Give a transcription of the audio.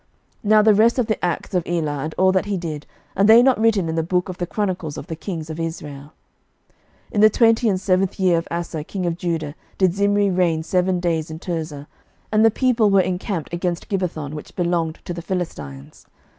11:016:014 Now the rest of the acts of Elah, and all that he did, are they not written in the book of the chronicles of the kings of Israel? 11:016:015 In the twenty and seventh year of Asa king of Judah did Zimri reign seven days in Tirzah. And the people were encamped against Gibbethon, which belonged to the Philistines.